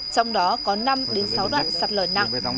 trong đó có năm sáu đoạn sạt lở nặng